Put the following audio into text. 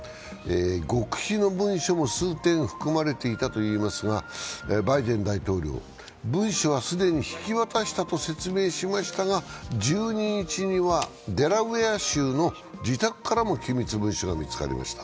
極秘の文書も数点、含まれていたといいますがバイデン大統領は、文書は既に引き渡したと説明しましたが１２日にはデラウエア州の自宅からも機密文書が見つかりました。